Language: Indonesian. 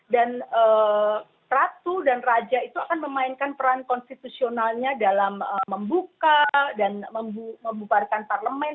dan ratu dan raja itu akan memainkan peran konstitusionalnya dalam membuka dan membubarkan parlemen